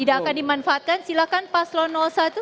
tidak akan dimanfaatkan silakan paslon satu